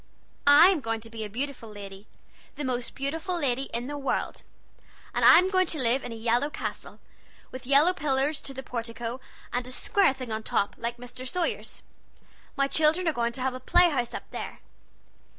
I'm going to be a beautiful lady the most beautiful lady in the world! And I'm going to live in a yellow castle, with yellow pillars to the portico, and a square thing on top, like Mr. Sawyer's. My children are going to have a play house up there.